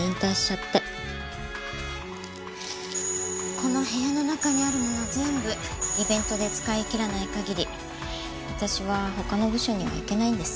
この部屋の中にあるもの全部イベントで使いきらない限り私は他の部署には行けないんです。